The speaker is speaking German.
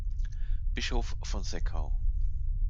Bischof von Seckau.